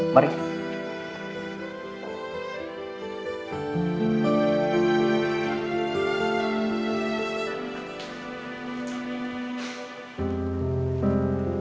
terima kasih dok